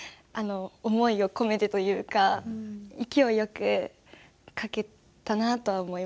思いを込めてというか勢いよく書けたなとは思います。